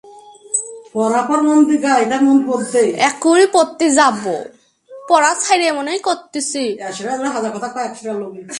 না, না, স্যার।